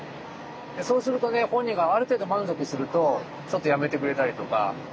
そうするとね本人がある程度満足するとちょっとやめてくれたりとか。